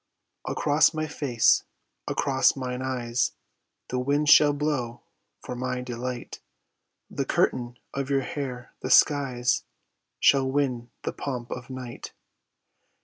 Across my face, across mine eyes The winds shall blow for my delight The curtain of your hair, the skies Shall win the pomp of night.